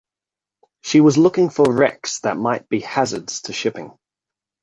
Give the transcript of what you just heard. She was looking for wrecks that might be hazards to shipping.